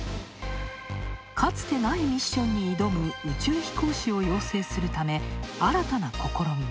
かつてないミッションに挑む宇宙飛行士を養成するため、新たな試みも。